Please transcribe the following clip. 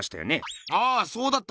ああそうだった